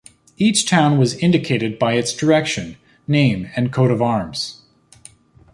Each town was indicated by its direction, name, and coat of arms.